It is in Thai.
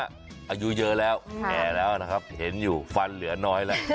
อายุเยอะแล้วแก่แล้วนะครับเห็นอยู่ฟันเหลือน้อยแล้ว